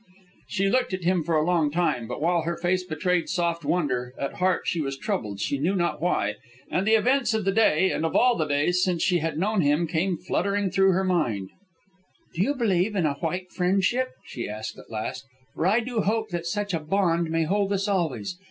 She looked at him for a long time, but while her face betrayed soft wonder, at heart she was troubled, she knew not why, and the events of the day, and of all the days since she had known him, came fluttering through her mind. "Do you believe in a white friendship?" she asked at last. "For I do hope that such a bond may hold us always.